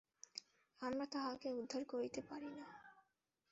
আমরা তাহাকে উদ্ধার করিতে পারি না।